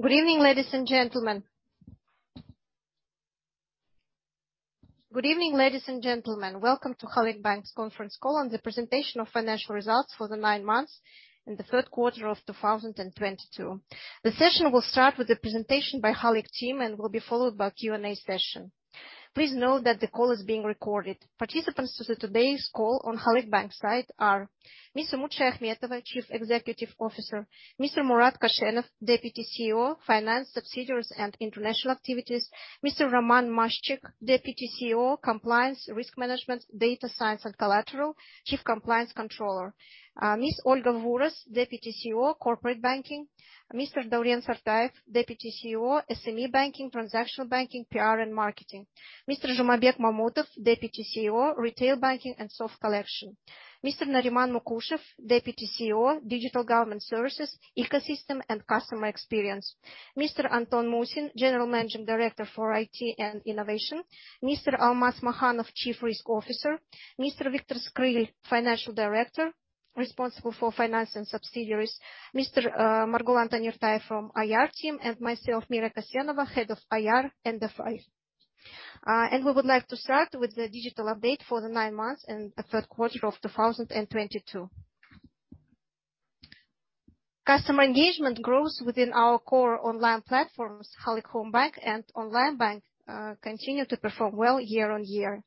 Good evening, ladies and gentlemen. Welcome to Halyk Bank's conference call on the presentation of financial results for the nine months in the third quarter of 2022. The session will start with a presentation by Halyk team and will be followed by Q&A session. Please note that the call is being recorded. Participants to today's call on Halyk Bank side are Ms. Umut Shayakhmetova, Chief Executive Officer, Mr. Murat Koshenov, Deputy CEO, Finance Subsidiaries and International Activities, Mr. Roman Maszczyk, Deputy CEO, Compliance, Risk Management, Data Science and Collateral, Chief Compliance Controller, Ms. Olga Vuros, Deputy CEO, Corporate Banking, Mr. Dauren Sartayev, Deputy CEO, SME Banking, Transactional Banking, PR and Marketing, Mr. Zhumabek Mamutov, Deputy CEO, Retail Banking and Soft Collection, Mr. Nariman Mukushev, Deputy CEO, Digital Government Services, Ecosystem and Customer Experience. Mr. Anton Musin, General Managing Director for IT and Innovation, Mr. Almas Makhanov, Chief Risk Officer, Mr. Viktor Skryl, Financial Director responsible for finance and subsidiaries, Mr. Margulan Tanirtayev from IR team, and myself, Mira Kasenova, Head of IR and FI. We would like to start with the digital update for the nine months and the third quarter of 2022. Customer engagement growth within our core online platforms, Halyk Homebank and Onlinebank, continue to perform well year-on-year.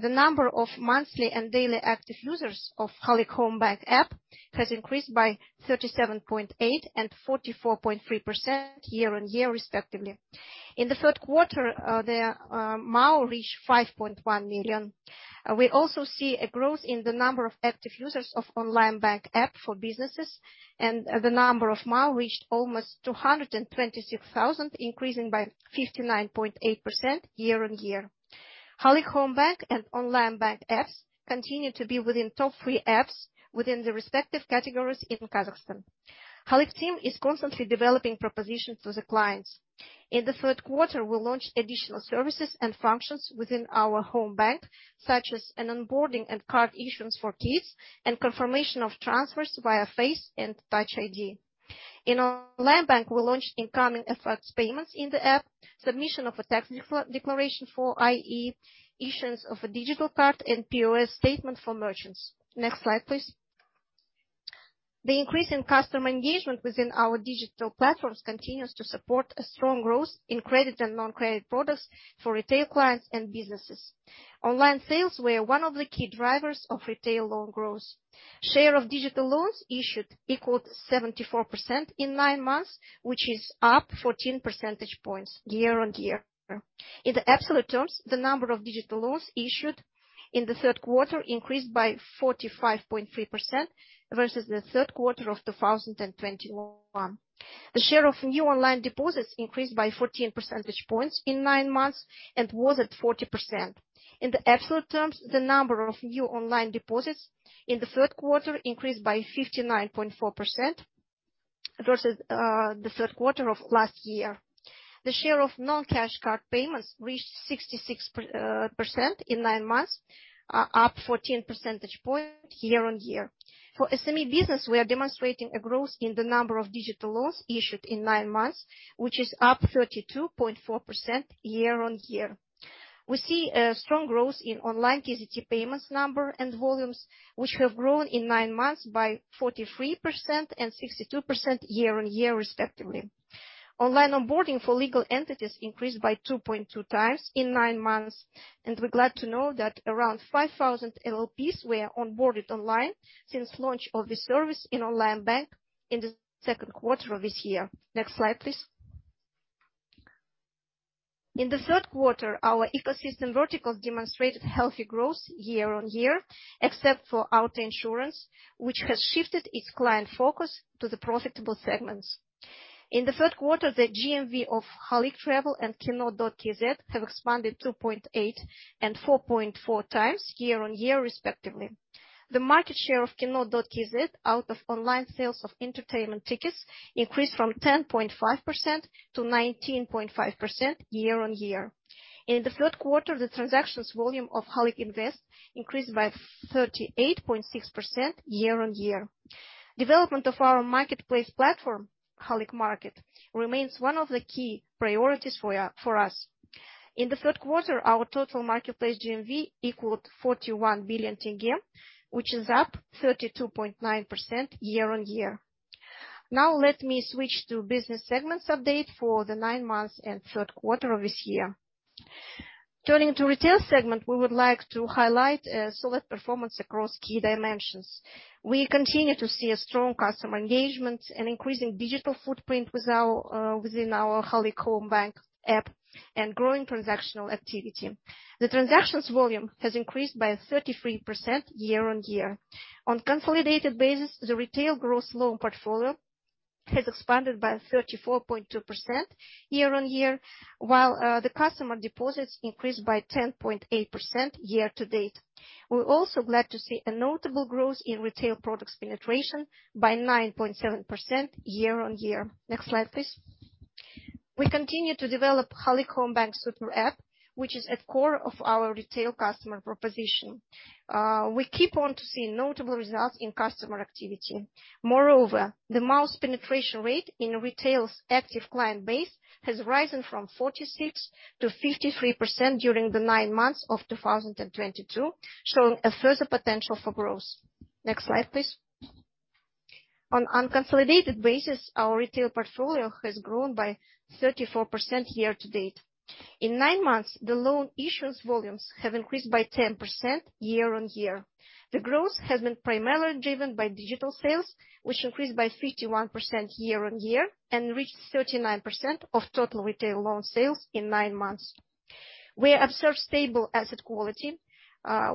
The number of monthly and daily active users of Halyk Homebank app has increased by 37.8% and 44.3% year-on-year, respectively. In the third quarter, the MAU reached 5.1 million. We also see a growth in the number of active users of Onlinebank app for businesses, and the number of MAU reached almost 226,000, increasing by 59.8% year-on-year. Halyk Homebank and Onlinebank apps continue to be within top three apps within the respective categories in Kazakhstan. Halyk team is constantly developing propositions to the clients. In the third quarter, we launched additional services and functions within our Homebank, such as an onboarding and card issuance for kids and confirmation of transfers via Face ID and Touch ID. In Onlinebank, we launched incoming effects payments in the app, submission of a tax declaration for IE, issuance of a digital card, and POS statement for merchants. Next slide, please. The increase in customer engagement within our digital platforms continues to support a strong growth in credit and non-credit products for retail clients and businesses. Online sales were one of the key drivers of retail loan growth. Share of digital loans issued equaled 74% in nine months, which is up 14 percentage points year-on-year. In the absolute terms, the number of digital loans issued in the third quarter increased by 45.3% versus the third quarter of 2021. The share of new online deposits increased by 14 percentage points in nine months and was at 40%. In the absolute terms, the number of new online deposits in the third quarter increased by 59.4% versus the third quarter of last year. The share of non-cash card payments reached 66% in nine months, up 14 percentage points year-on-year. For SME business, we are demonstrating a growth in the number of digital loans issued in nine months, which is up 32.4% year-on-year. We see a strong growth in online KZT payments number and volumes, which have grown in nine months by 43% and 62% year-on-year, respectively. Online onboarding for legal entities increased by 2.2x in nine months. We're glad to know that around 5,000 LLPs were onboarded online since launch of this service in Onlinebank in the second quarter of this year. Next slide, please. In the third quarter, our ecosystem verticals demonstrated healthy growth year-on-year, except for auto insurance, which has shifted its client focus to the profitable segments. In the third quarter, the GMV of Halyk Travel and kino.kz have expanded 2.8 and 4.4x year-on-year, respectively. The market share of kino.kz out of online sales of entertainment tickets increased from 10.5% to 19.5% year-on-year. In the third quarter, the transactions volume of Halyk Invest increased by 38.6% year-on-year. Development of our marketplace platform, Halyk Market, remains one of the key priorities for us. In the third quarter, our total marketplace GMV equaled KZT 41 billion, which is up 32.9% year-on-year. Let me switch to business segments update for the nine months and third quarter of this year. Turning to retail segment, we would like to highlight a solid performance across key dimensions. We continue to see a strong customer engagement, an increasing digital footprint with our within our Halyk Homebank app, and growing transactional activity. The transactions volume has increased by 33% year-over-year. On consolidated basis, the retail gross loan portfolio has expanded by 34.2% year-over-year, while the customer deposits increased by 10.8% year to date. We're also glad to see a notable growth in retail products penetration by 9.7% year-over-year. Next slide, please. We continue to develop Halyk Bank Super App, which is at core of our retail customer proposition. We keep on to see notable results in customer activity. The most penetration rate in retail's active client base has risen from 46% to 53% during the nine months of 2022, showing a further potential for growth. Next slide, please. On unconsolidated basis, our retail portfolio has grown by 34% year to date. In nine months, the loan issuance volumes have increased by 10% year-on-year. The growth has been primarily driven by digital sales, which increased by 51% year-on-year and reached 39% of total retail loan sales in nine months. We observe stable asset quality,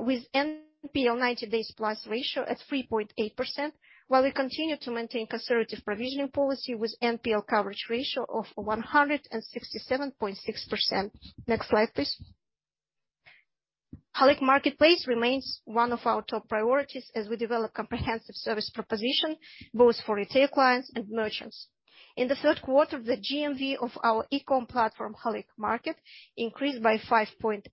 with NPL 90 days plus ratio at 3.8%, while we continue to maintain conservative provisioning policy with NPL coverage ratio of 167.6%. Next slide, please. Halyk Marketplace remains one of our top priorities as we develop comprehensive service proposition both for retail clients and merchants. In the third quarter, the GMV of our e-com platform, Halyk Market, increased by 5.8%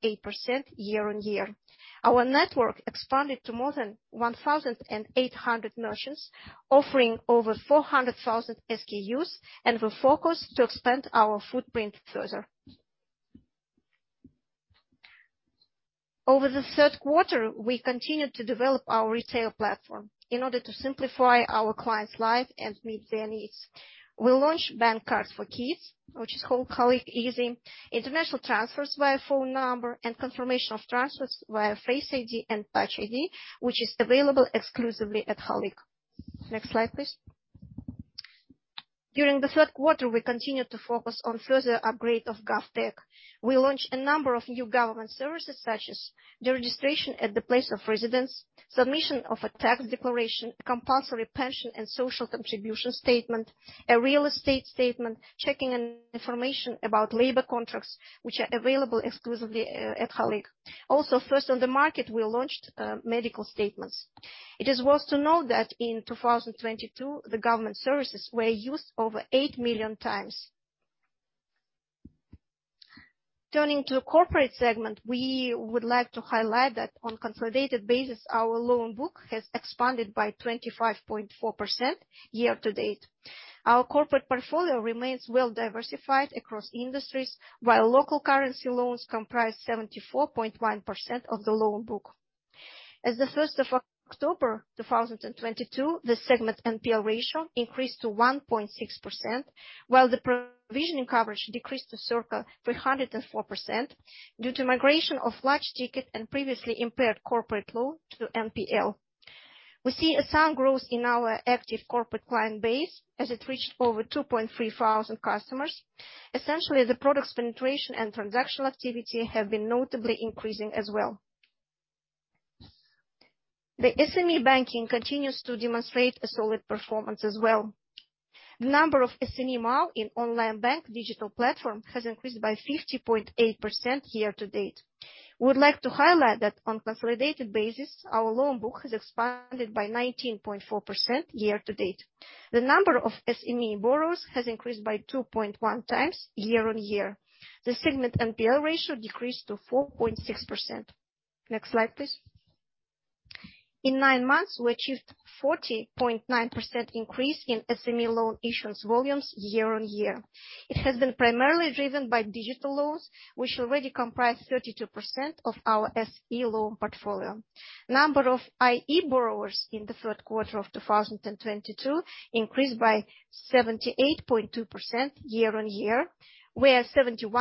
year-on-year. Our network expanded to more than 1,800 merchants, offering over 400,000 SKUs, and we focus to expand our footprint further. Over the third quarter, we continued to develop our retail platform in order to simplify our clients' life and meet their needs. We launched bank cards for kids, which is called Halyk Easy, international transfers via phone number, and confirmation of transfers via Face ID and Touch ID, which is available exclusively at Halyk. Next slide, please. During the third quarter, we continued to focus on further upgrade of GovTech. We launched a number of new government services such as the registration at the place of residence, submission of a tax declaration, compulsory pension and social contribution statement, a real estate statement, checking and information about labor contracts, which are available exclusively at Halyk. First on the market, we launched medical statements. It is worth to note that in 2022, the government services were used over 8 million times. Turning to the corporate segment, we would like to highlight that on consolidated basis, our loan book has expanded by 25.4% year to date. Our corporate portfolio remains well diversified across industries, while local currency loans comprise 74.1% of the loan book. As the 1st of October 2022, the segment NPL ratio increased to 1.6%, while the provisioning coverage decreased to circa 304% due to migration of large ticket and previously impaired corporate loan to NPL. We see a sound growth in our active corporate client base as it reached over 2.3 thousand customers. Essentially, the products penetration and transactional activity have been notably increasing as well. The SME banking continues to demonstrate a solid performance as well. The number of SME MAU in Onlinebank digital platform has increased by 50.8% year-to-date. We would like to highlight that on consolidated basis, our loan book has expanded by 19.4% year-to-date. The number of SME borrowers has increased by 2.1x year-on-year. The segment NPL ratio decreased to 4.6%. Next slide, please. In nine months, we achieved 40.9% increase in SME loan issuance volumes year-on-year. It has been primarily driven by digital loans, which already comprise 32% of our SME loan portfolio. Number of IE borrowers in the third quarter of 2022 increased by 78.2% year-over-year, where 71%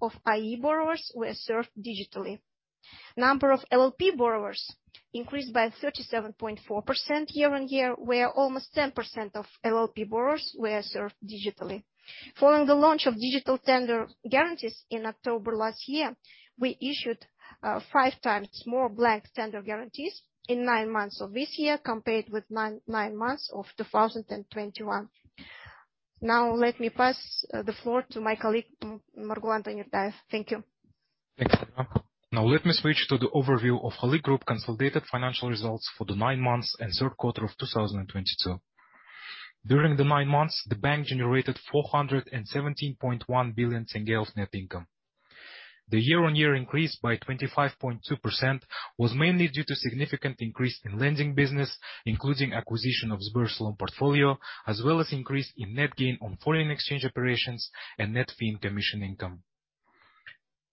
of IE borrowers were served digitally. Number of LLP borrowers increased by 37.4% year-over-year, where almost 10% of LLP borrowers were served digitally. Following the launch of digital tender guarantees in October last year, we issued five times more blank tender guarantees in nine months of this year compared with nine months of 2021. Let me pass the floor to my colleague, Margulan Tanirtayev. Thank you. Thanks, Mira. Let me switch to the overview of Halyk Group consolidated financial results for the nine months and third quarter of 2022. During the nine months, the bank generated KZT 417.1 billion net income. The year-over-year increase by 25.2% was mainly due to significant increase in lending business, including acquisition of Sber's loan portfolio, as well as increase in net gain on foreign exchange operations and net fee and commission income.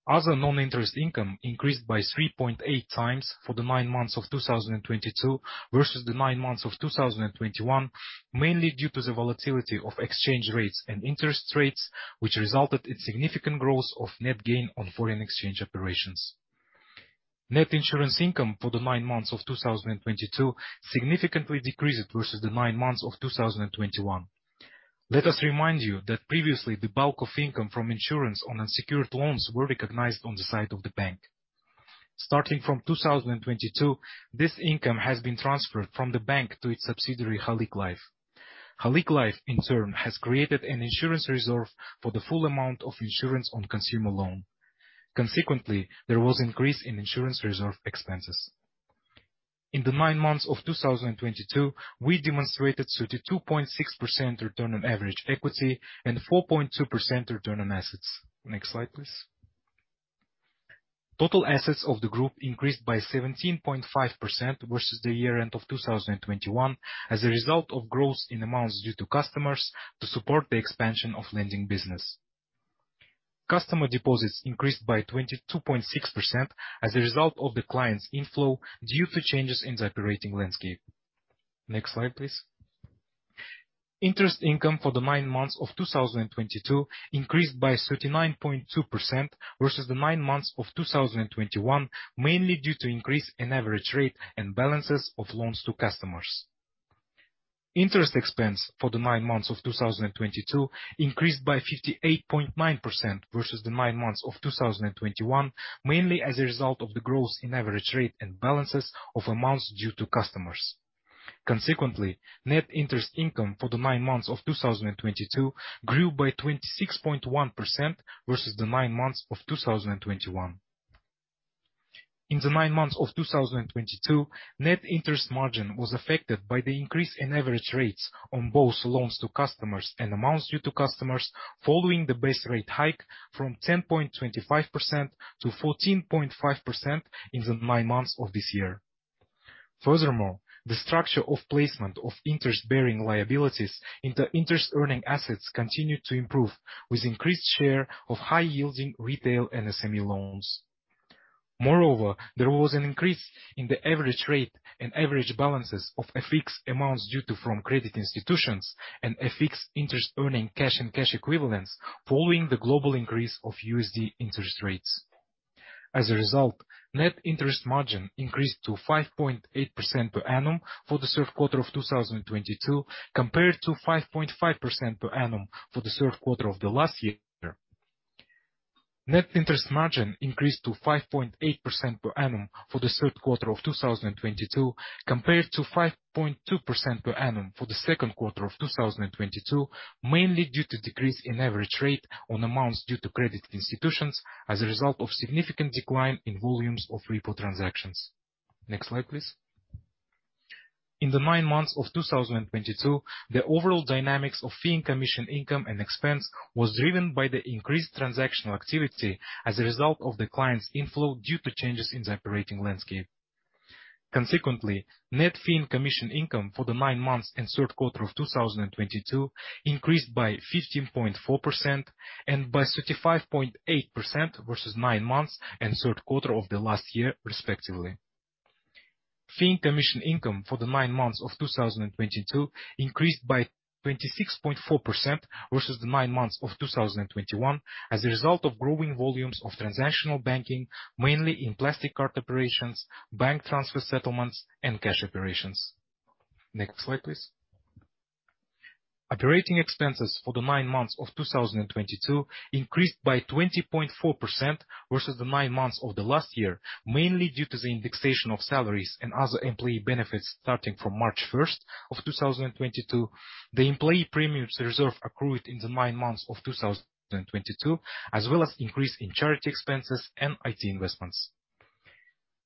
Other non-interest income increased by 3.8x for the nine months of 2022 versus the nine months of 2021, mainly due to the volatility of exchange rates and interest rates, which resulted in significant growth of net gain on foreign exchange operations. Net insurance income for the nine months of 2022 significantly decreased versus the nine months of 2021. Let us remind you that previously, the bulk of income from insurance on unsecured loans were recognized on the side of the bank. Starting from 2022, this income has been transferred from the bank to its subsidiary, Halyk Life. Halyk Life, in turn, has created an insurance reserve for the full amount of insurance on consumer loan. Consequently, there was increase in insurance reserve expenses. In the nine months of 2022, we demonstrated 32.6% return on average equity and 4.2% return on assets. Next slide, please. Total assets of the group increased by 17.5% versus the year-end of 2021 as a result of growth in amounts due to customers to support the expansion of lending business. Customer deposits increased by 22.6% as a result of the client's inflow due to changes in the operating landscape. Next slide, please. Interest income for the nine months of 2022 increased by 39.2% versus the nine months of 2021, mainly due to increase in average rate and balances of loans to customers. Interest expense for the nine months of 2022 increased by 58.9% versus the nine months of 2021, mainly as a result of the growth in average rate and balances of amounts due to customers. Consequently, net interest income for the nine months of 2022 grew by 26.1% versus the nine months of 2021. In the nine months of 2022, net interest margin was affected by the increase in average rates on both loans to customers and amounts due to customers following the base rate hike from 10.25% to 14.5% in the nine months of this year. The structure of placement of interest-bearing liabilities into interest earning assets continued to improve with increased share of high-yielding retail and SME loans. There was an increase in the average rate and average balances of affixed amounts due to from credit institutions and affixed interest earning cash and cash equivalents following the global increase of USD interest rates. As a result, net interest margin increased to 5.8% per annum for the third quarter of 2022 compared to 5.5% per annum for the third quarter of the last year. Net interest margin increased to 5.8% per annum for the third quarter of 2022 compared to 5.2% per annum for the second quarter of 2022, mainly due to decrease in average rate on amounts due to credit institutions as a result of significant decline in volumes of repo transactions. Next slide, please. In the nine months of 2022, the overall dynamics of fee and commission income and expense was driven by the increased transactional activity as a result of the client's inflow due to changes in the operating landscape. Consequently, net fee and commission income for the nine months and third quarter of 2022 increased by 15.4% and by 35.8% versus nine months and third quarter of the last year respectively. Fee and commission income for the nine months of 2022 increased by 26.4% versus the nine months of 2021 as a result of growing volumes of transactional banking, mainly in plastic card operations, bank transfer settlements and cash operations. Next slide, please. Operating expenses for the nine months of 2022 increased by 20.4% versus the nine months of the last year, mainly due to the indexation of salaries and other employee benefits starting from March 1st of 2022. The employee premium reserve accrued in the nine months of 2022, as well as increase in charity expenses and IT investments.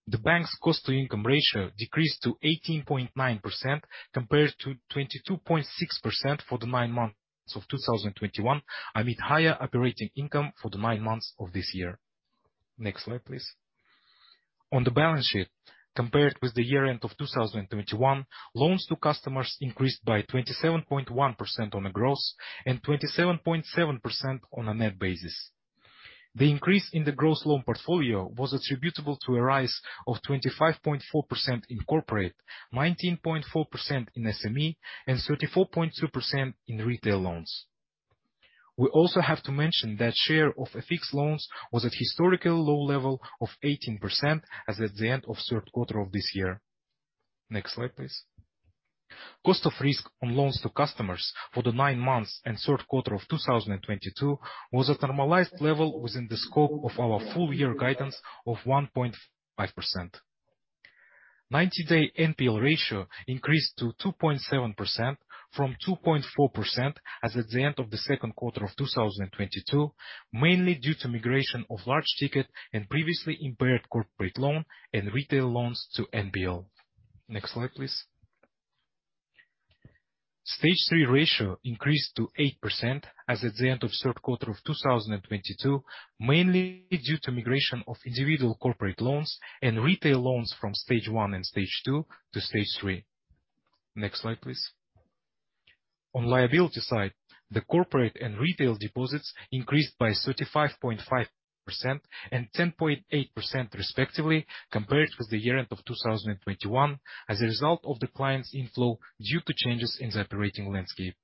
The bank's cost-to-income ratio decreased to 18.9% compared to 22.6% for the nine months of 2021, amid higher operating income for the nine months of this year. Next slide, please. On the balance sheet, compared with the year-end of 2021, loans to customers increased by 27.1% on a gross and 27.7% on a net basis. The increase in the gross loan portfolio was attributable to a rise of 25.4% in corporate, 19.4% in SME, and 34.2% in retail loans. We also have to mention that share of FX loans was at historical low level of 18% as at the end of third quarter of this year. Next slide, please. cost of risk on loans to customers for the nine months and third quarter of 2022 was a normalized level within the scope of our full year guidance of 1.5%. 90-day NPL ratio increased to 2.7% from 2.4% as at the end of the second quarter of 2022, mainly due to migration of large ticket and previously impaired corporate loan and retail loans to NPL. Next slide, please. Stage 3 ratio increased to 8% as at the end of third quarter of 2022, mainly due to migration of individual corporate loans and retail loans from Stage 1 and Stage 2 to Stage 3. Next slide, please. On liability side, the corporate and retail deposits increased by 35.5% and 10.8% respectively, compared with the year-end of 2021 as a result of the client's inflow due to changes in the operating landscape.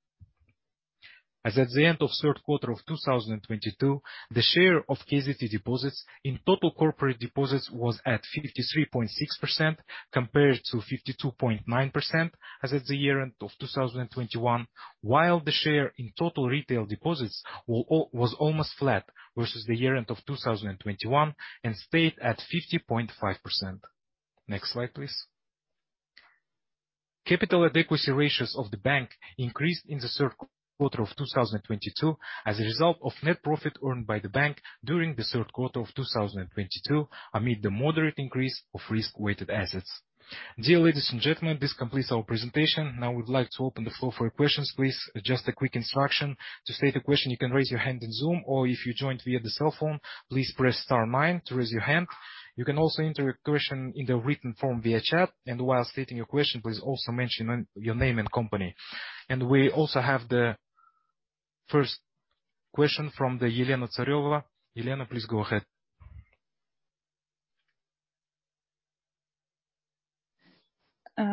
As at the end of third quarter of 2022, the share of KZT deposits in total corporate deposits was at 53.6% compared to 52.9% as at the year-end of 2021. While the share in total retail deposits was almost flat versus the year-end of 2021 and stayed at 50.5%. Next slide, please. Capital adequacy ratios of the bank increased in the third quarter of 2022 as a result of net profit earned by the bank during the third quarter of 2022 amid the moderate increase of risk-weighted assets. Dear ladies and gentlemen, this completes our presentation. We'd like to open the floor for your questions, please. Just a quick instruction. To state a question, you can raise your hand in Zoom, or if you joined via the cell phone, please press star nine to raise your hand. You can also enter your question in the written form via chat. While stating your question, please also mention your name and company. We also have the first question from the Elena Tsareva. Elena, please go ahead.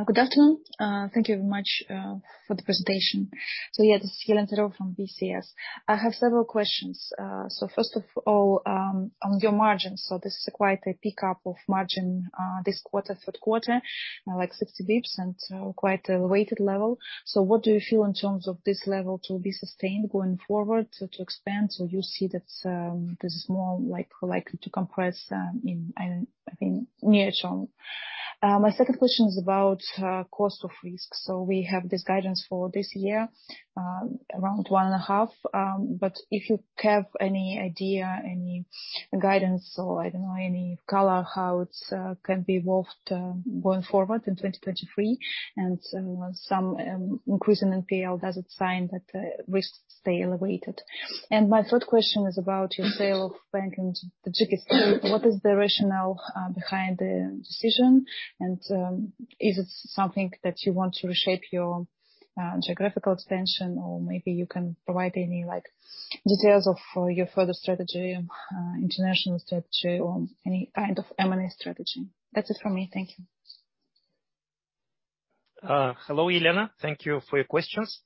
Good afternoon. Thank you very much for the presentation. Yeah, this is Elena Tsareva from BCS. I have several questions. First of all, on your margins. This is quite a pickup of margin this quarter, third quarter, like 60 BPS and quite elevated level. What do you feel in terms of this level to be sustained going forward to expand? You see that this is more like, likely to compress in, I think near term? My second question is about cost of risk. We have this guidance for this year, around 1.5. If you have any idea, any guidance or, I don't know, any color how it can be evolved going forward in 2023 and some increase in NPL, does it sign that risks stay elevated? My third question is about your sale of bank in Tajikistan. What is the rationale behind the decision? Is it something that you want to reshape your geographical expansion? Maybe you can provide any, like, details of your further strategy, international strategy or any kind of M&A strategy. That's it from me. Thank you. Hello, Elena. Thank you for your questions.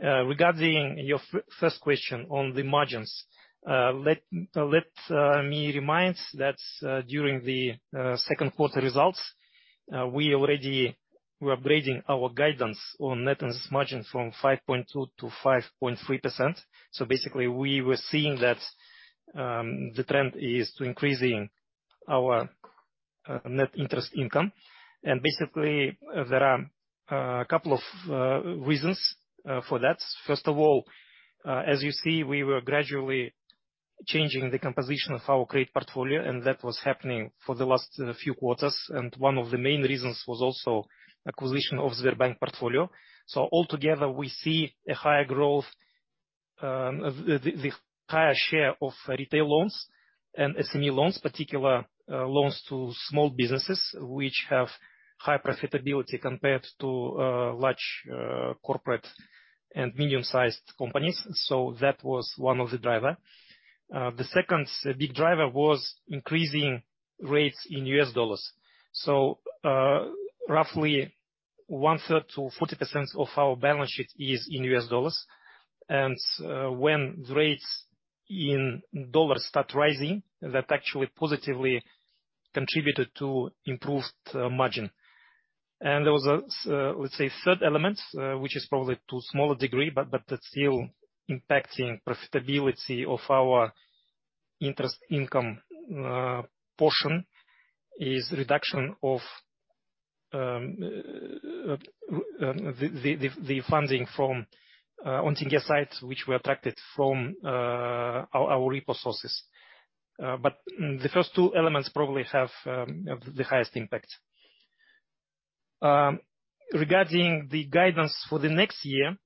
Regarding your first question on the margins, let me remind that during the second quarter results, we already were upgrading our guidance on net interest margin from 5.2% to 5.3%. Basically, we were seeing that the trend is to increasing our net interest income. Basically, there are a couple of reasons for that. First of all, as you see, we were gradually changing the composition of our credit portfolio, and that was happening for the last few quarters. One of the main reasons was also acquisition of Sberbank portfolio. Altogether, we see a higher growth, the higher share of retail loans and SME loans, particular, loans to small businesses which have high profitability compared to, large, corporate and medium-sized companies. That was one of the driver. The second big driver was increasing rates in U.S. Dollars. Roughly one third to 40% of our balance sheet is in U.S. dollars. When rates in dollars start rising, that actually positively contributed to improved, margin. There was a, let's say third element, which is probably to a smaller degree, but that's still impacting profitability of our interest income, portion, is reduction of, the funding from, on 10-year sites, which were attracted from, our repo sources. The first two elements probably have the highest impact. Regarding the guidance for the next year,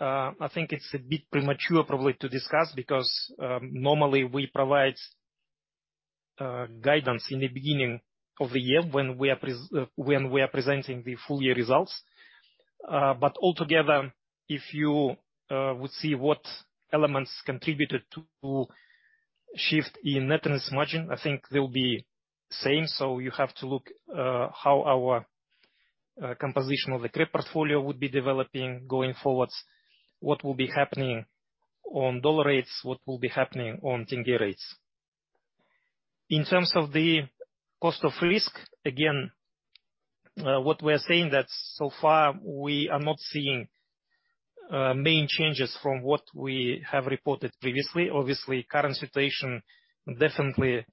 I think it's a bit premature probably to discuss because normally we provide guidance in the beginning of the year when we are presenting the full year results. Altogether, if you would see what elements contributed to shift in net interest margin, I think they'll be same. You have to look how our composition of the credit portfolio would be developing going forward, what will be happening on dollar rates, what will be happening on 10-year rates. In terms of the cost of risk, again, what we are saying that so far we are not seeing main changes from what we have reported previously. Obviously, current situation definitely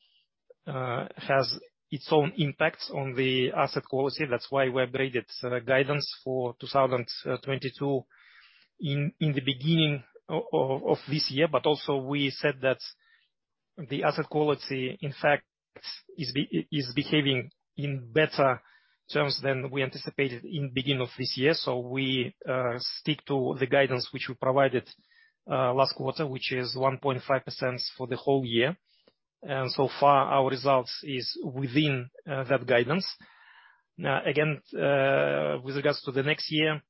has its own impacts on the asset quality. That's why we upgraded guidance for 2022 in the beginning of this year. Also we said that the asset quality, in fact, is behaving in better terms than we anticipated in beginning of this year. We stick to the guidance which we provided last quarter, which is 1.5% for the whole year. So far, our results is within that guidance. Again, with regards to the next year,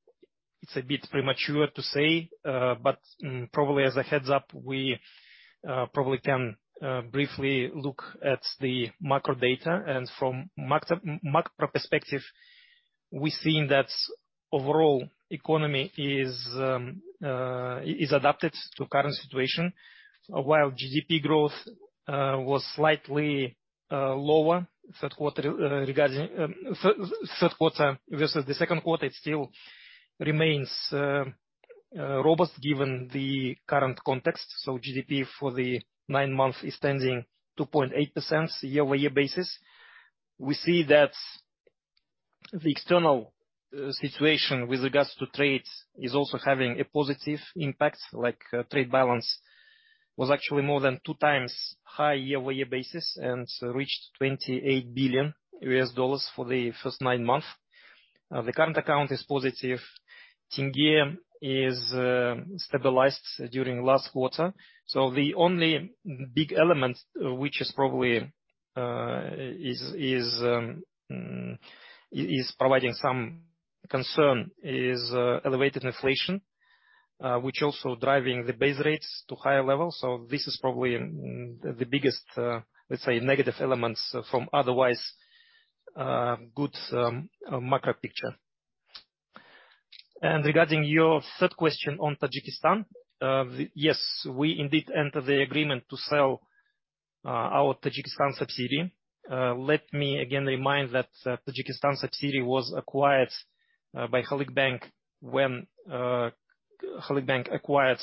it's a bit premature to say, but probably as a heads-up, we probably can briefly look at the macro data. From macro perspective, we're seeing that overall economy is adapted to current situation. While GDP growth was slightly lower third quarter regarding third quarter versus the second quarter, it still remains robust given the current context. GDP for the nine months is standing 2.8% year-over-year basis. We see that the external situation with regards to trades is also having a positive impact. Like trade balance was actually more than 2x high year-over-year basis and reached $28 billion for the first nine months. The current account is positive. Tenge is stabilized during last quarter. The only big element which is probably providing some concern is elevated inflation, which also driving the base rates to higher levels. This is probably the biggest, let's say negative elements from otherwise good macro picture. Regarding your third question on Tajikistan, yes, we indeed enter the agreement to sell our Tajikistan subsidiary. Let me again remind that Tajikistan subsidiary was acquired by Halyk Bank when Halyk Bank acquired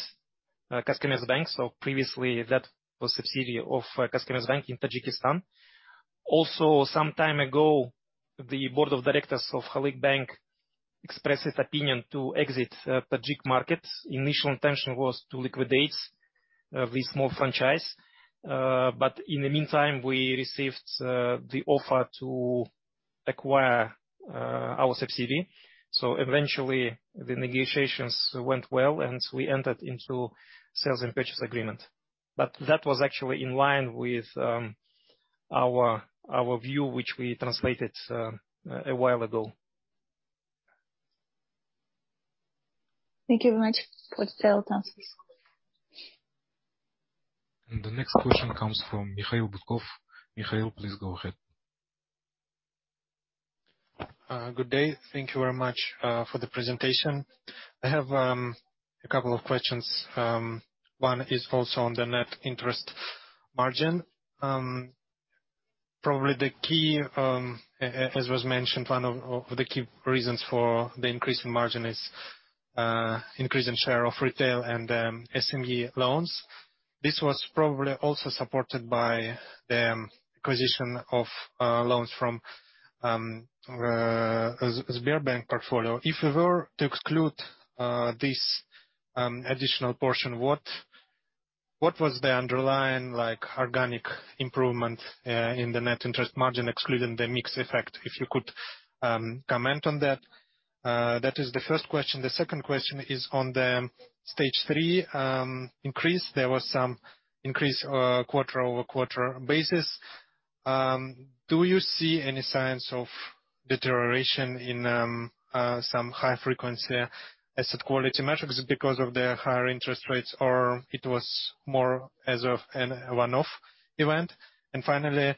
Kaspi Bank. Previously that was subsidiary of Kaspi Bank in Tajikistan. Also, some time ago, the board of directors of Halyk Bank expressed its opinion to exit Tajik markets. Initial intention was to liquidate this small franchise. In the meantime, we received the offer to acquire our subsidiary. Eventually the negotiations went well, and we entered into sales and purchase agreement. That was actually in line with our view, which we translated a while ago. Thank you very much for detailed answers. The next question comes from Mikhail Butkov. Mikhail, please go ahead. Good day. Thank you very much for the presentation. I have a couple of questions. One is also on the net interest margin. Probably the key, as was mentioned, one of the key reasons for the increase in margin is increase in share of retail and SME loans. This was probably also supported by the acquisition of loans from Sberbank portfolio. If we were to exclude this additional portion, what was the underlying, like, organic improvement in the net interest margin, excluding the mix effect? If you could comment on that. That is the first question. The second question is on the Stage 3 increase. There was some increase quarter-over-quarter basis. Do you see any signs of deterioration in some high-frequency asset quality metrics because of the higher interest rates, or it was more as a one-off event? Finally,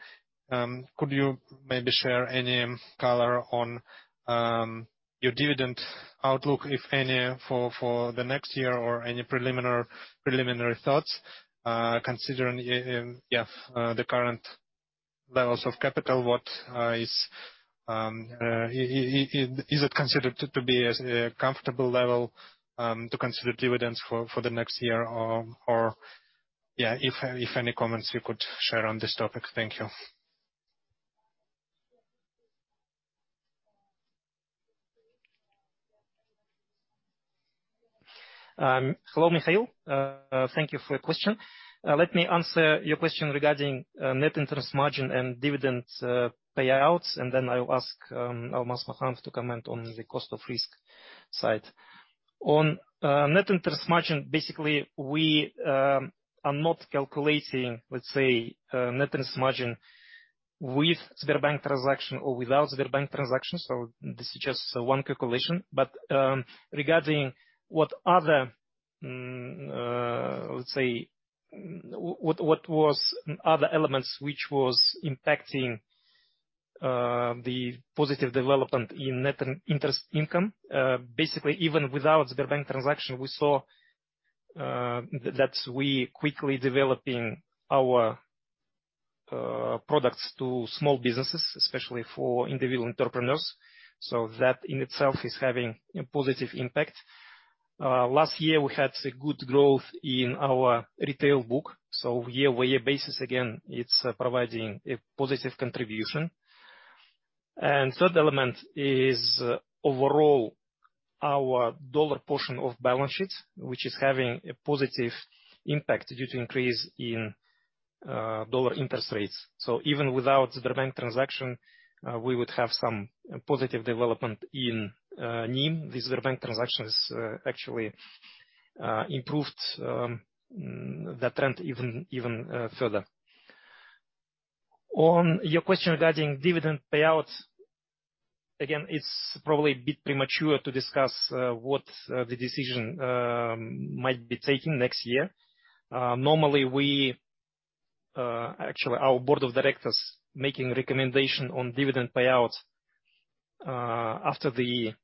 could you maybe share any color on your dividend outlook, if any, for the next year, or any preliminary thoughts considering the current levels of capital? What is it considered to be as a comfortable level to consider dividends for the next year? Or, if any comments you could share on this topic. Thank you. Hello, Mikhail. Thank you for your question. Let me answer your question regarding net interest margin and dividend payouts, and then I'll ask Almas Makhanov to comment on the cost of risk side. On net interest margin, basically, we are not calculating, let's say, net interest margin with Sberbank transaction or without Sberbank transaction, so this is just one calculation. Regarding what other, let's say, what was other elements which was impacting the positive development in net interest income, basically, even without Sberbank transaction, we saw that we quickly developing our products to small businesses, especially for individual entrepreneurs. That in itself is having a positive impact. Last year we had a good growth in our retail book. Year-over-year basis, again, it's providing a positive contribution. Third element is overall our dollar portion of balance sheet, which is having a positive impact due to increase in dollar interest rates. Even without Sberbank transaction, we would have some positive development in NIM. The Sberbank transaction has actually improved that trend further. On your question regarding dividend payout, again, it's probably a bit premature to discuss what the decision might be taken next year. Normally we actually our board of directors making recommendation on dividend payout after the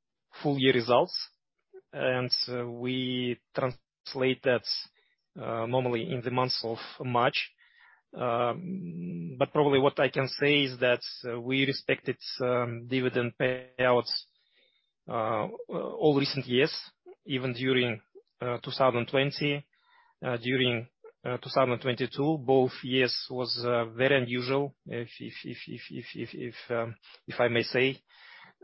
full year results, and we translate that. Normally in the month of March. Probably what I can say is that we respected some dividend payouts all recent years, even during 2020, during 2022. Both years was very unusual if I may say.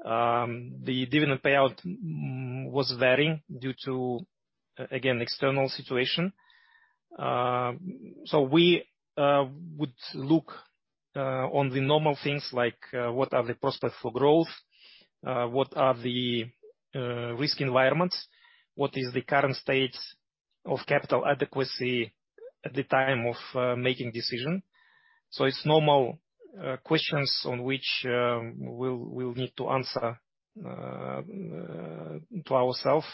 The dividend payout was varying due to again, external situation. We would look on the normal things like what are the prospects for growth, what are the risk environments, what is the current state of capital adequacy at the time of making decision. It's normal questions on which we'll need to answer to ourselves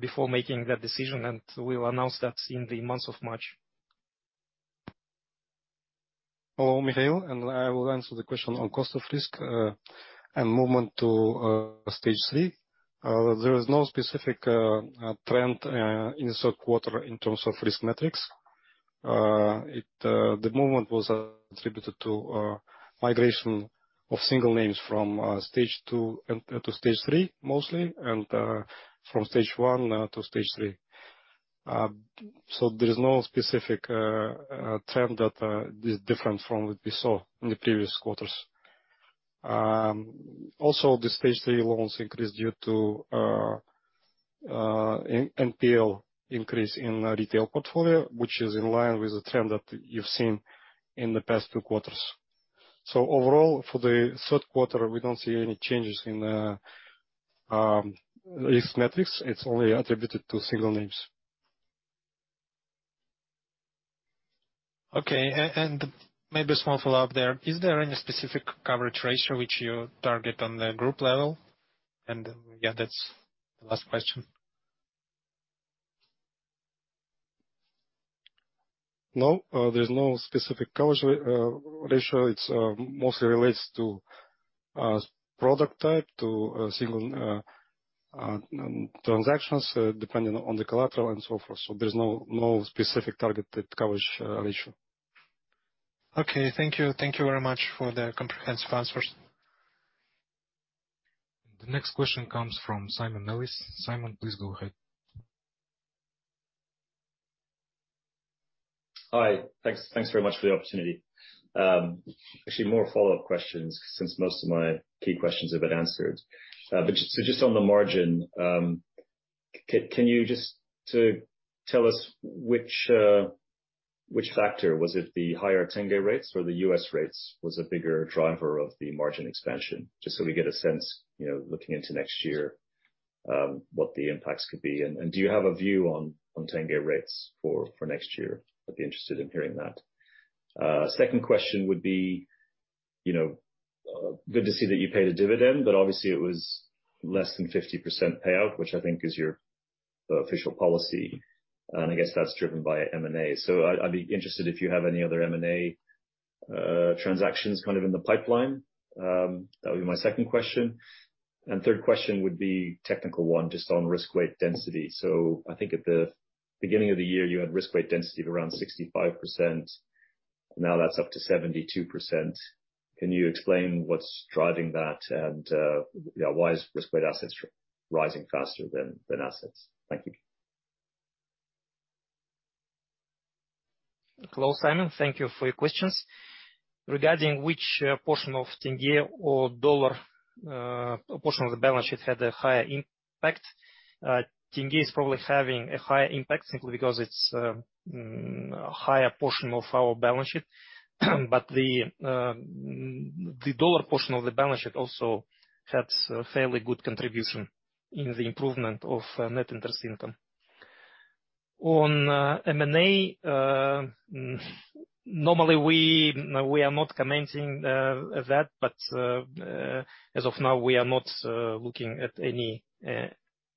before making that decision. We will announce that in the month of March. Mikhail, I will answer the question on cost of risk and movement to Stage 3. There is no specific trend in the third quarter in terms of risk metrics. It, the movement was attributed to migration of single names from Stage 2 to Stage 3 mostly, and from Stage 1 to Stage 3. There is no specific trend that is different from what we saw in the previous quarters. Also the Stage 3 loans increased due to NPL increase in retail portfolio, which is in line with the trend that you've seen in the past two quarters. Overall, for the third quarter, we don't see any changes in risk metrics. It's only attributed to single names. Okay. And maybe a small follow-up there. Is there any specific coverage ratio which you target on the group level? Yeah, that's the last question. No. There's no specific coverage ratio. It's mostly relates to product type to a single transactions, depending on the collateral and so forth. There's no specific targeted coverage ratio. Okay, thank you. Thank you very much for the comprehensive answers. The next question comes from Simon Nellis. Simon, please go ahead. Hi. Thanks very much for the opportunity. Actually, more follow-up questions since most of my key questions have been answered. Just on the margin, can you just tell us which factor? Was it the higher tenge rates or the U.S. rates was the bigger driver of the margin expansion? Just so we get a sense, you know, looking into next year, what the impacts could be. Do you have a view on tenge rates for next year? I'd be interested in hearing that. Second question would be, you know, good to see that you paid a dividend, but obviously it was less than 50% payout, which I think is your official policy. I guess that's driven by M&A. I'd be interested if you have any other M&A transactions kind of in the pipeline. That would be my second question. Third question would be technical one, just on risk-weighted asset density. I think at the beginning of the year, you had risk-weighted asset density of around 65%. Now that's up to 72%. Can you explain what's driving that? Why is risk-weighted assets rising faster than assets? Thank you. Hello, Simon. Thank you for your questions. Regarding which portion of tenge or dollar portion of the balance sheet had a higher impact, tenge is probably having a higher impact simply because it's higher portion of our balance sheet. The dollar portion of the balance sheet also has a fairly good contribution in the improvement of net interest income. On M&A, normally we are not commenting on that, but as of now, we are not looking at any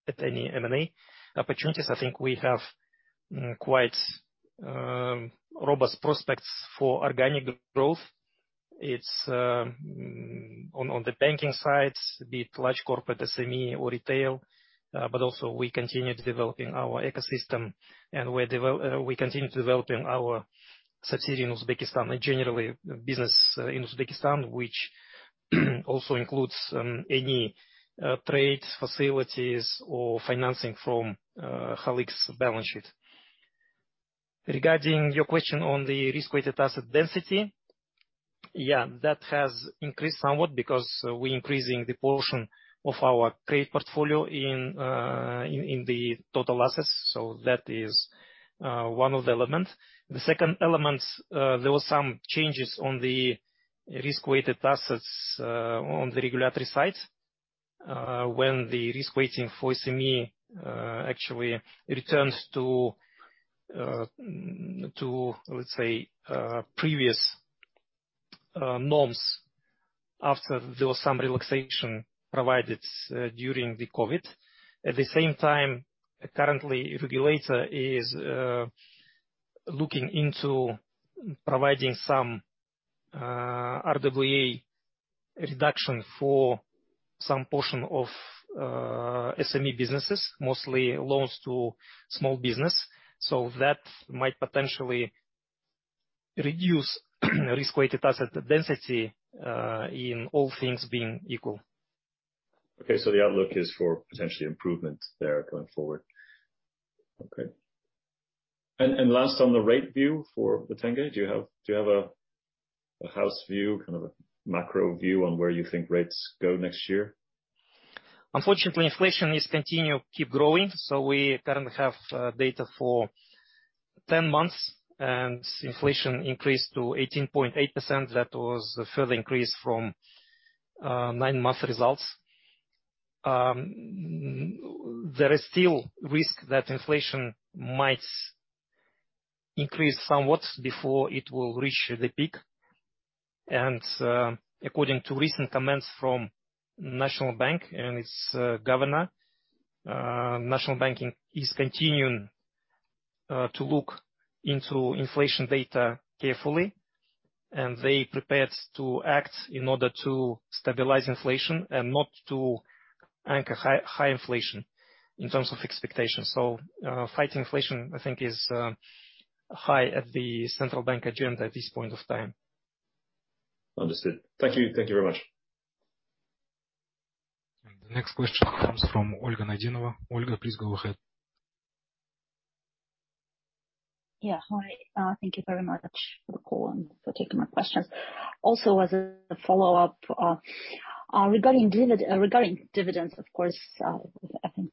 M&A opportunities. I think we have quite robust prospects for organic growth. It's on the banking side, be it large corporate, SME or retail. Also, we continue to developing our ecosystem and we continue to developing our subsidiary in Uzbekistan and generally business in Uzbekistan, which also includes any trade facilities or financing from Halyk's balance sheet. Regarding your question on the risk-weighted asset density, yeah, that has increased somewhat because we increasing the portion of our trade portfolio in the total assets. That is one of the elements. The second element, there were some changes on the risk-weighted assets on the regulatory side, when the risk weighting for SME actually returned to, let's say, previous norms after there was some relaxation provided during the COVID. At the same time, currently regulator is looking into providing some RWA reduction for some portion of SME businesses, mostly loans to small business. That might potentially reduce risk-weighted asset density in all things being equal. Okay, the outlook is for potentially improvement there going forward. Okay. And last, on the rate view for the ten-year, do you have a house view, kind of a macro view on where you think rates go next year? Unfortunately, inflation is continue keep growing, so we currently have data for 10 months, and inflation increased to 18.8%. That was a further increase from nine-month results. There is still risk that inflation might increase somewhat before it will reach the peak. According to recent comments from National Bank and its governor, National Bank is continuing to look into inflation data carefully, and they prepared to act in order to stabilize inflation and not to anchor high inflation in terms of expectations. Fighting inflation, I think is high at the central bank agenda at this point of time. Understood. Thank you. Thank you very much. The next question comes from Olga Naydenova. Olga, please go ahead. Yeah. Hi. Thank you very much for calling, for taking my questions. Also as a follow-up, regarding dividends, of course, I think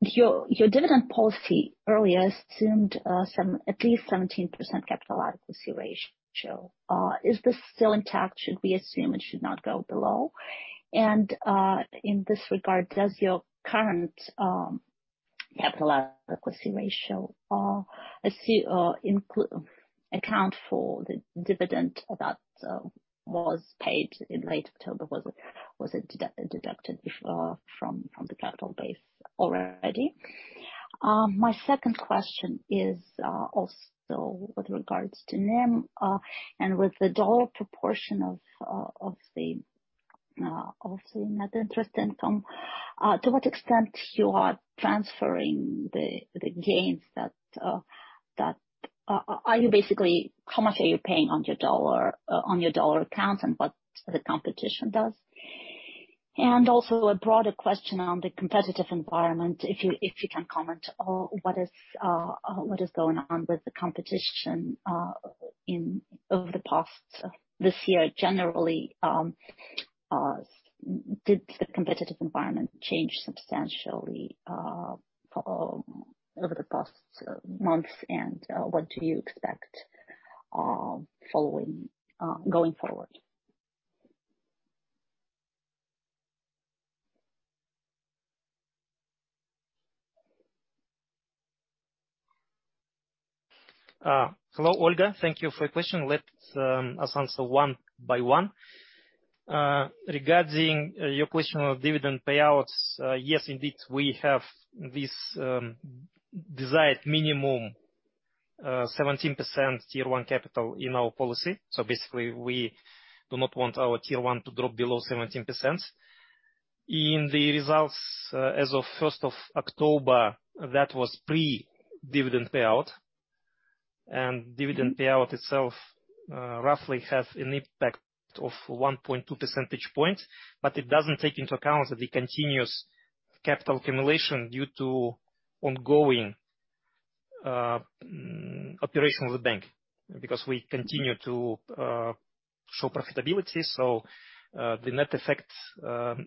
your dividend policy earlier assumed some at least 17% capital adequacy ratio. Is this still intact? Should we assume it should not go below? In this regard, does your current capital adequacy ratio assume account for the dividend that was paid in late October? Was it deducted from the capital base already? My second question is also with regards to NIM and with the dollar proportion of the net interest income, to what extent you are transferring the gains that are you basically how much are you paying on your dollar, on your dollar accounts and what the competition does? Also a broader question on the competitive environment, if you, if you can comment on what is what is going on with the competition in over the past this year, generally, did the competitive environment change substantially over the past months, and what do you expect following going forward? Hello, Olga. Thank you for your question. Let us answer one by one. Regarding your question on dividend payouts, yes, indeed, we have this desired minimum 17% Tier 1 capital in our policy. Basically, we do not want our Tier 1 to drop below 17%. In the results, as of 1st of October, that was pre-dividend payout. Dividend payout itself roughly has an impact of 1.2 percentage point, but it doesn't take into account the continuous capital accumulation due to ongoing operation of the bank, because we continue to show profitability. The net effect,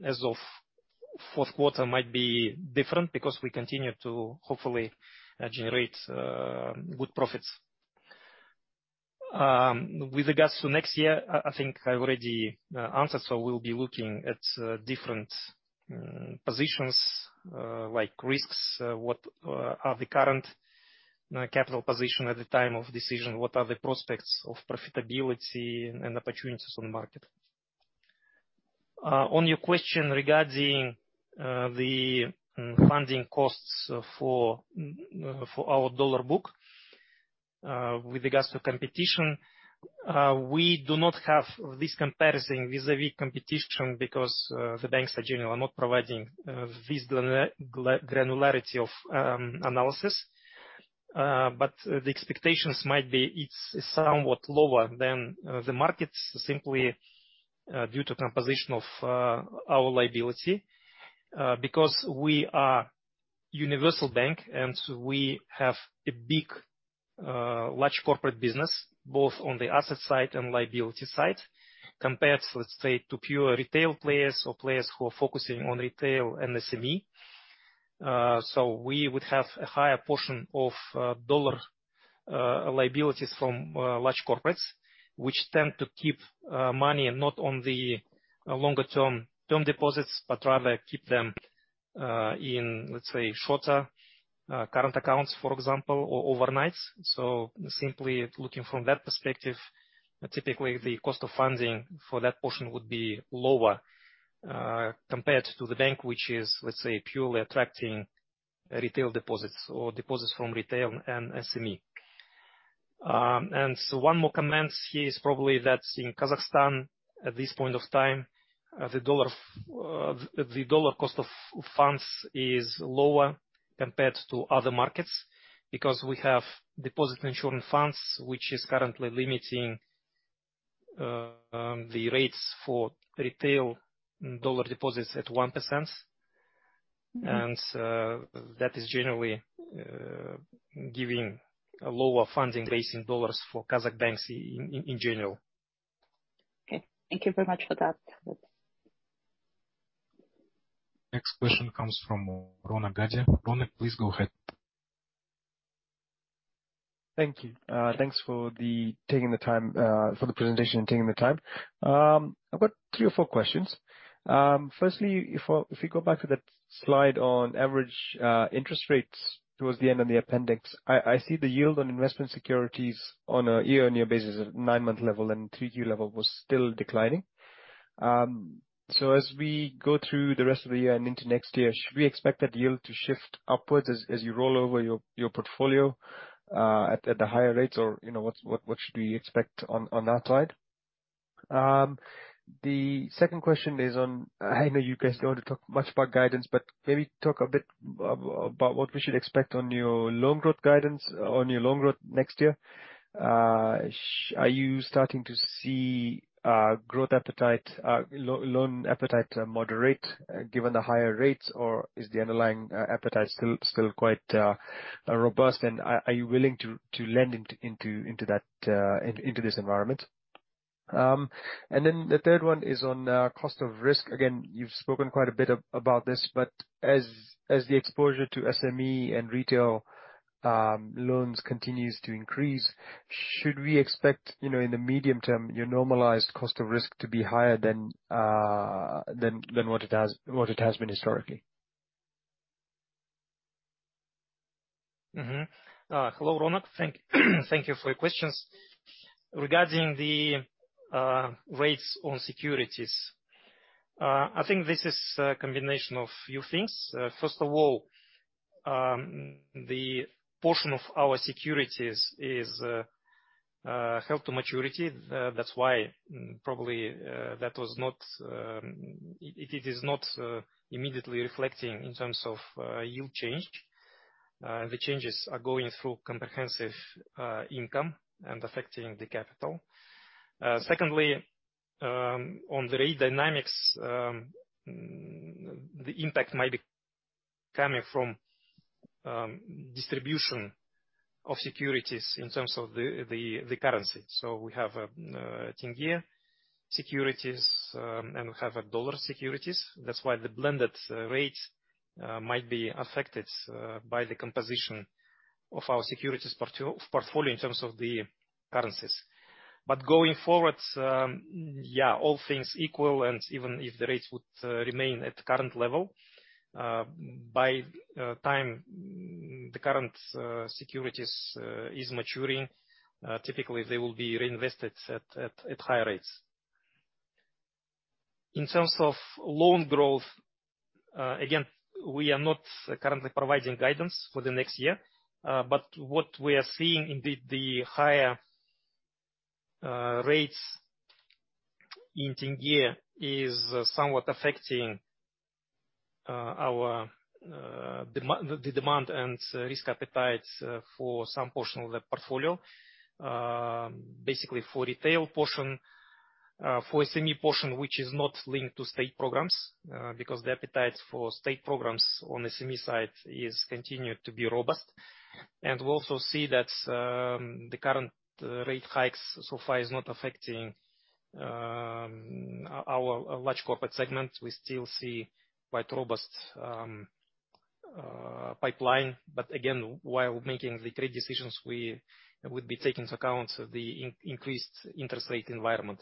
as of fourth quarter might be different because we continue to hopefully generate good profits. With regards to next year, I think I already answered. We'll be looking at different positions, like risks, what are the current capital position at the time of decision, what are the prospects of profitability and opportunities on the market. On your question regarding the funding costs for our dollar book, with regards to competition, we do not have this comparison vis-a-vis competition because the banks are generally not providing this granularity of analysis. The expectations might be it's somewhat lower than the markets simply due to composition of our liability because we are universal bank and we have a big, large corporate business both on the asset side and liability side, compared to, let's say, to pure retail players or players who are focusing on retail and SME. we would have a higher portion of dollar liabilities from large corporates, which tend to keep money not on the longer-term term deposits, but rather keep them in, let's say, shorter, current accounts, for example, or overnights. Simply looking from that perspective, typically the cost of funding for that portion would be lower compared to the bank, which is, let's say, purely attracting retail deposits or deposits from retail and SME. One more comment here is probably that in Kazakhstan at this point of time, the dollar cost of funds is lower compared to other markets because we have Deposit Insurance Fund, which is currently limiting the rates for retail dollar deposits at 1%. That is generally giving a lower funding rates in dollars for Kazakh banks in general. Okay. Thank you very much for that. Next question comes from Ronak Gadhia. Ronak, please go ahead. Thank you. Thanks for taking the time for the presentation and taking the time. I've got three or four questions. Firstly, if you go back to that slide on average interest rates towards the end, in the appendix, I see the yield on investment securities on a year-on-year basis at nine-month level and three-tier level was still declining. As we go through the rest of the year and into next year, should we expect that yield to shift upwards as you roll over your portfolio at the higher rates or, you know, what should we expect on that side? The second question is on, I know you guys don't want to talk much about guidance, maybe talk a bit about what we should expect on your loan growth guidance next year. Are you starting to see growth appetite, loan appetite moderate given the higher rates or is the underlying appetite still quite robust? Are you willing to lend into that into this environment? Then the third one is on cost of risk. Again, you've spoken quite a bit about this, as the exposure to SME and retail loans continues to increase, should we expect, you know, in the medium term, your normalized cost of risk to be higher than what it has been historically? Hello, Ronak. Thank you for your questions. Regarding the rates on securities, I think this is a combination of few things. First of all, the portion of our securities is held to maturity. That's why probably that was not. It is not immediately reflecting in terms of yield change. The changes are going through comprehensive income and affecting the capital. Secondly, on the rate dynamics, the impact might be coming from distribution of securities in terms of the currency. We have 10-year securities and we have dollar securities. That's why the blended rates might be affected by the composition of our securities portfolio in terms of the currencies. Going forward, all things equal, and even if the rates would remain at current level, by time the current securities is maturing, typically they will be reinvested at higher rates. In terms of loan growth, again, we are not currently providing guidance for the next year, but what we are seeing indeed, the higher rates in 10-year is somewhat affecting our the demand and risk appetite for some portion of the portfolio. Basically for retail portion, for SME portion, which is not linked to state programs, because the appetite for state programs on the SME side is continued to be robust. We also see that the current rate hikes so far is not affecting our large corporate segment. We still see quite robust pipeline. Again, while making the trade decisions, we would be taking into account the increased interest rate environment.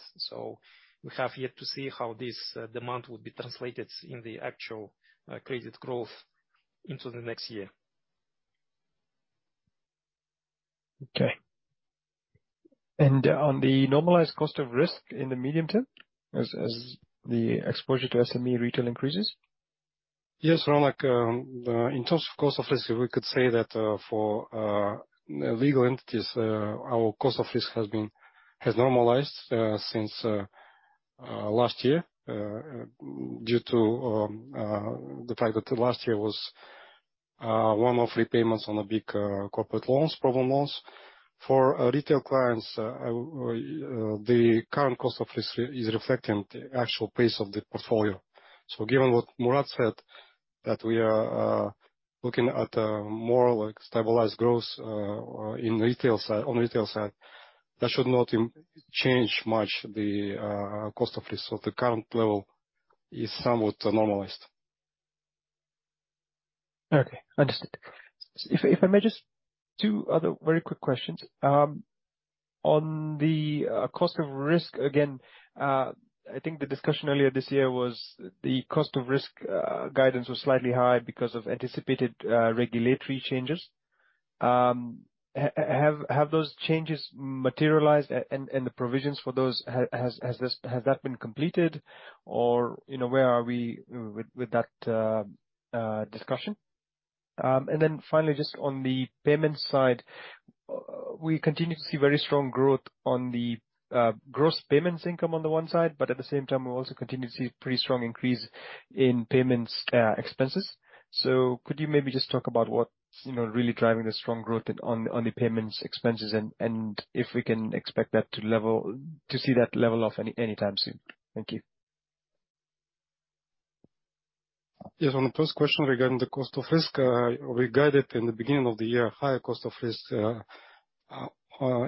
We have yet to see how this demand will be translated in the actual credit growth into the next year. Okay. On the normalized cost of risk in the medium term, as the exposure to SME retail increases? Yes, Ronak. In terms of cost of risk, we could say that for legal entities, our cost of risk has normalized since last year, due to the fact that last year was one of repayments on the big corporate loans, problem loans. For retail clients, the current cost of risk is reflecting the actual pace of the portfolio. Given what Murat said, that we are looking at more like stabilized growth in retail side, on retail side, that should not change much the cost of risk. The current level is somewhat normalized. Okay. Understood. If, if I may just two other very quick questions. On the cost of risk again, I think the discussion earlier this year was the cost of risk, guidance was slightly high because of anticipated regulatory changes. Have those changes materialized and the provisions for those, has that been completed or, you know, where are we with that discussion? Finally, just on the payments side, we continue to see very strong growth on the gross payments income on the one side, but at the same time, we also continue to see pretty strong increase in payments, expenses. Could you maybe just talk about what's, you know, really driving the strong growth in, on the payments expenses, and if we can expect that to see that level off any, anytime soon? Thank you. Yes. On the first question regarding the cost of risk, we guided in the beginning of the year higher cost of risk,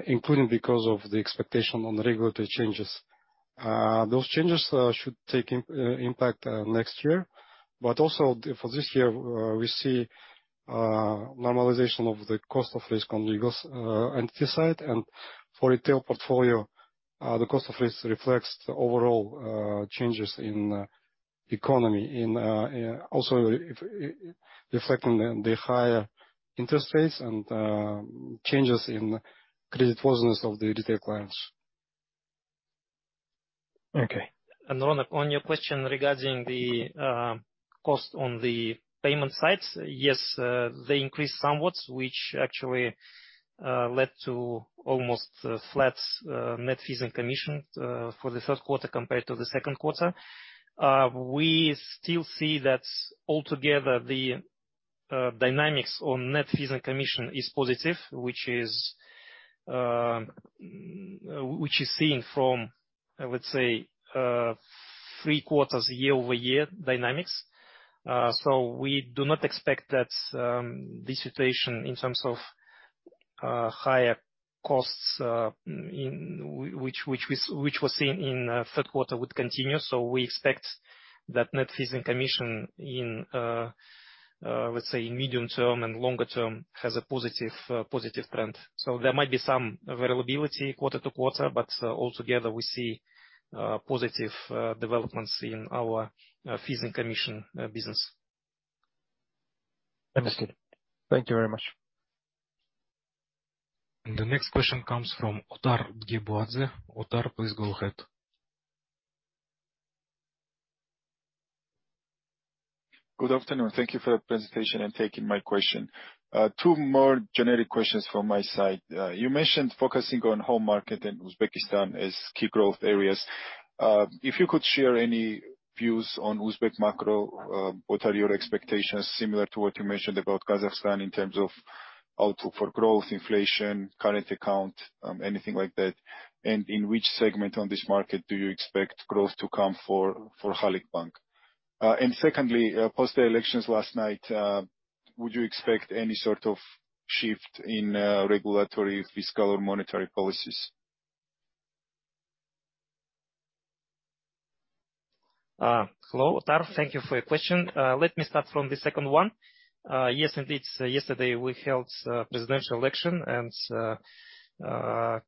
including because of the expectation on regulatory changes. Those changes should take impact next year. Also for this year, we see normalization of the cost of risk on legal's entity side. For retail portfolio, the cost of risk reflects the overall changes in economy in also reflecting the higher interest rates and changes in creditworthiness of the retail clients. Okay. Ronan, on your question regarding the cost on the payment side, yes, they increased somewhat, which actually led to almost flat net fees and commission for the third quarter compared to the second quarter. We still see that altogether, the dynamics on net fees and commission is positive, which is seeing from, I would say, three quarters year-over-year dynamics. We do not expect that this situation in terms of higher costs which was seen in third quarter would continue. We expect that net fees and commission in, let's say medium term and longer term, has a positive positive trend. There might be some variability quarter to quarter, but altogether we see positive developments in our fees and commission business. Understood. Thank you very much. The next question comes from Otar Dgebuadze. Otar, please go ahead. Good afternoon. Thank you for the presentation and taking my question. Two more generic questions from my side. You mentioned focusing on home market and Uzbekistan as key growth areas. If you could share any views on Uzbek macro, what are your expectations similar to what you mentioned about Kazakhstan in terms of outlook for growth, inflation, current account, anything like that? In which segment on this market do you expect growth to come for Halyk Bank? Secondly, post the elections last night, would you expect any sort of shift in regulatory, fiscal, or monetary policies? Hello, Otar. Thank you for your question. Let me start from the second one. Yes indeed, yesterday we held a presidential election, and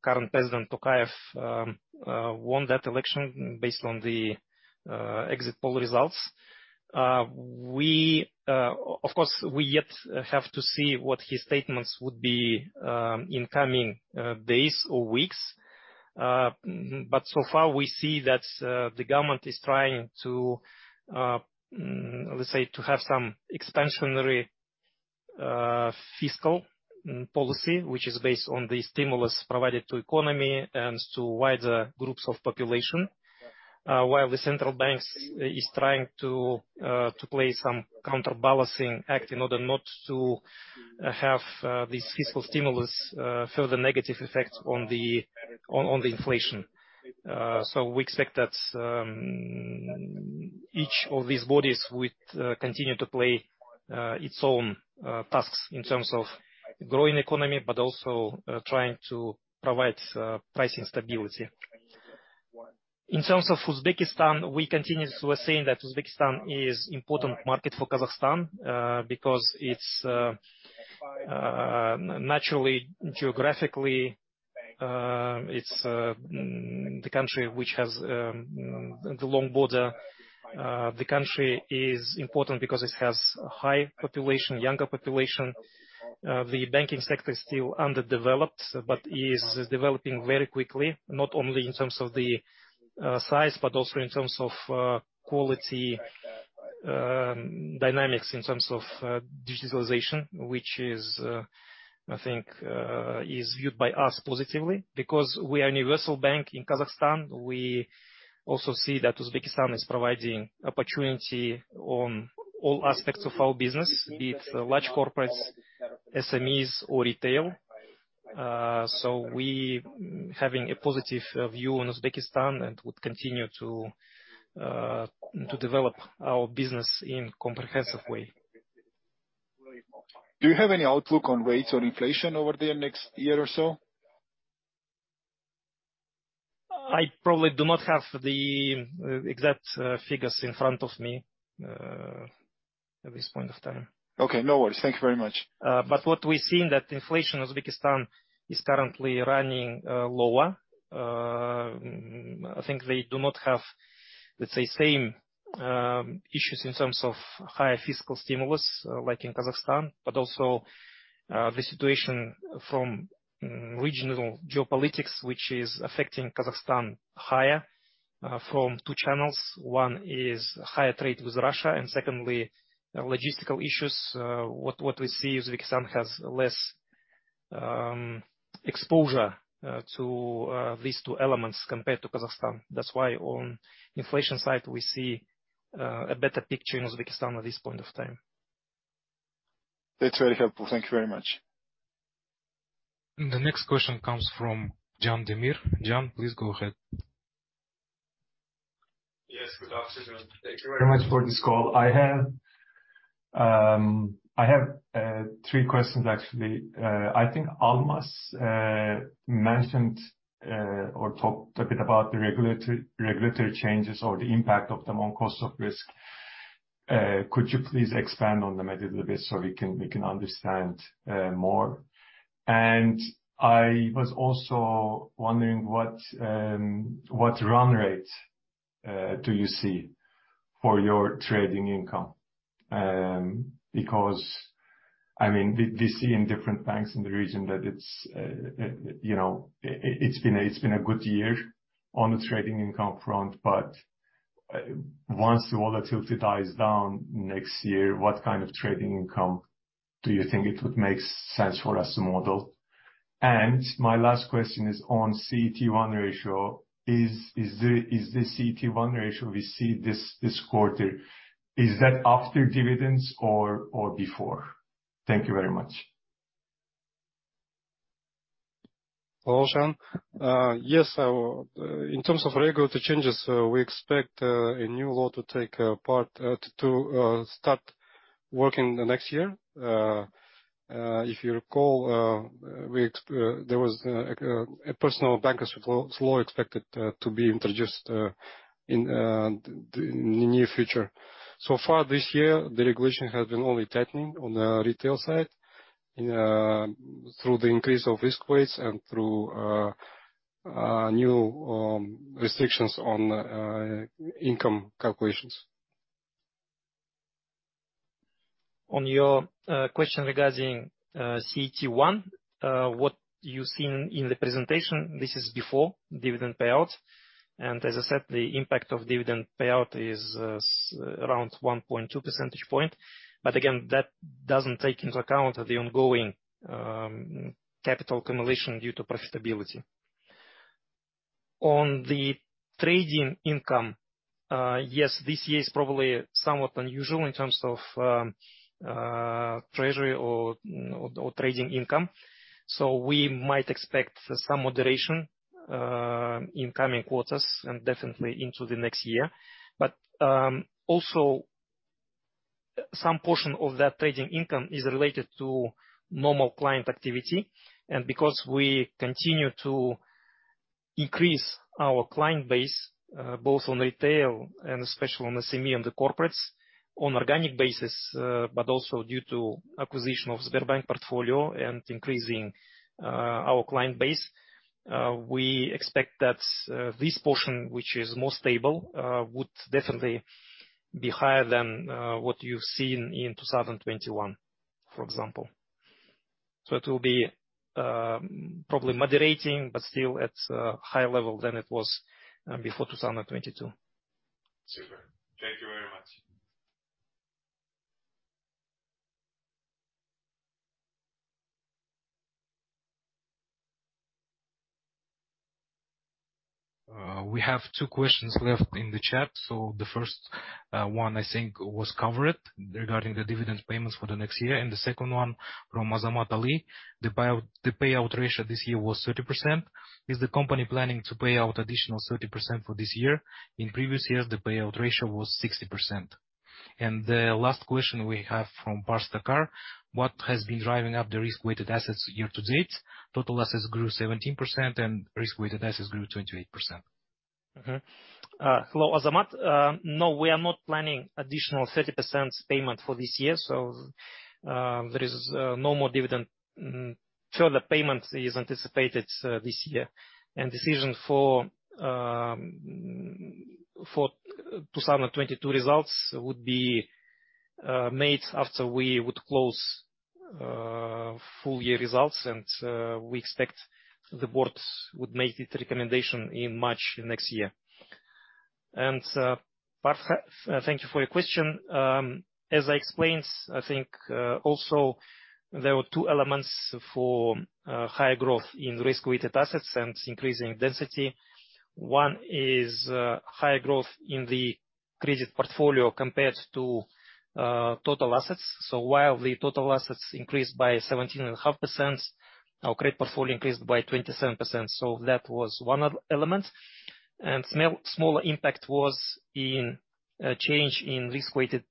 current President Tokayev won that election based on the exit poll results. We, of course, we yet have to see what his statements would be in coming days or weeks. So far we see that the government is trying to, let's say to have some expansionary fiscal policy, which is based on the stimulus provided to economy and to wider groups of population. While the central banks is trying to play some counterbalancing act in order not to have this fiscal stimulus further negative effects on the inflation. We expect that each of these bodies would continue to play its own tasks in terms of growing economy, but also trying to provide pricing stability. In terms of Uzbekistan, we continue as we're saying that Uzbekistan is important market for Kazakhstan, because it's naturally, geographically, the country which has the long border. The country is important because it has high population, younger population. The banking sector is still underdeveloped but is developing very quickly, not only in terms of the size but also in terms of quality, dynamics in terms of digitalization, which is I think is viewed by us positively. Because we are a universal bank in Kazakhstan, we also see that Uzbekistan is providing opportunity on all aspects of our business, be it large corporates, SMEs, or retail. We having a positive view on Uzbekistan and would continue to develop our business in comprehensive way. Do you have any outlook on rates or inflation over the next year or so? I probably do not have the exact figures in front of me at this point of time. Okay, no worries. Thank you very much. What we're seeing, that inflation in Uzbekistan is currently running lower. I think they do not have, let's say, same issues in terms of higher fiscal stimulus like in Kazakhstan, but also. regional geopolitics, which is affecting Kazakhstan higher, from two channels. One is higher trade with Russia, and secondly, logistical issues. What we see is Uzbekistan has less exposure to these two elements compared to Kazakhstan. That's why on inflation side, we see a better picture in Uzbekistan at this point of time That's very helpful. Thank you very much. The next question comes from Can Demir. Jan, please go ahead. Yes. Good afternoon. Thank you very much for this call. I have three questions, actually. I think Almas mentioned or talked a bit about the regulatory changes or the impact of them on cost of risk. Could you please expand on them a little bit so we can understand more? I was also wondering what run rate do you see for your trading income? Because, I mean, we see in different banks in the region that it's, you know, it's been a good year on the trading income front, but once the volatility dies down next year, what kind of trading income do you think it would make sense for us to model? My last question is on CET1 ratio. Is the CET1 ratio we see this quarter, is that after dividends or before? Thank you very much. Hello, Can. Yes, in terms of regulatory changes, we expect a new law to take to start working the next year. If you recall, there was a personal bankers law expected to be introduced in the near future. So far this year, the regulation has been only tightening on the retail side, and through the increase of risk weights and through new restrictions on income calculations. On your question regarding CET1, what you've seen in the presentation, this is before dividend payout. As I said, the impact of dividend payout is around 1.2 percentage point. Again, that doesn't take into account the ongoing capital accumulation due to profitability. On the trading income, yes, this year is probably somewhat unusual in terms of treasury or trading income. We might expect some moderation in coming quarters and definitely into the next year. Also some portion of that trading income is related to normal client activity. Because we continue to increase our client base, both on retail and especially on the SME and the corporates on organic basis, but also due to acquisition of Sberbank portfolio and increasing our client base, we expect that this portion, which is more stable, would definitely be higher than what you've seen in 2021, for example. It will be probably moderating, but still at a higher level than it was before 2022. Super. Thank you very much. We have two questions left in the chat. The first one I think was covered regarding the dividend payments for the next year. The second one from Azamat Ali: The payout ratio this year was 30%. Is the company planning to pay out additional 30% for this year? In previous years, the payout ratio was 60%. The last question we have from Parsa Kar: What has been driving up the risk-weighted assets year to date? Total assets grew 17% and risk-weighted assets grew 28%. Hello, Azamat. No, we are not planning additional 30% payment for this year. There is no more dividend further payment is anticipated this year. Decision for 2022 results would be made after we would close full year results. We expect the boards would make its recommendation in March next year. Parsa, thank you for your question. As I explained, I think, also there were two elements for higher growth in risk-weighted assets and increasing density. One is higher growth in the credit portfolio compared to total assets. While the total assets increased by 17.5%, our credit portfolio increased by 27%. That was one element. Small impact was in a change in risk-weighted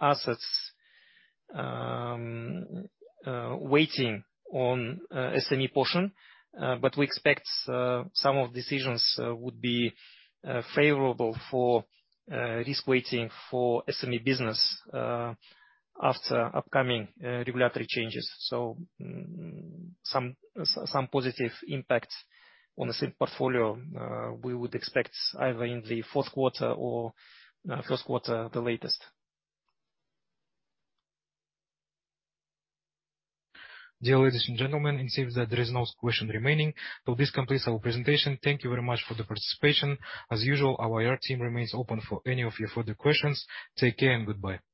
assets, weighting on SME portion. We expect some of decisions would be favorable for risk weighting for SME business after upcoming regulatory changes. Some positive impact on the same portfolio, we would expect either in the fourth quarter or first quarter the latest. Dear ladies and gentlemen, it seems that there is no question remaining. This completes our presentation. Thank you very much for the participation. As usual, our IR team remains open for any of your further questions. Take care and goodbye.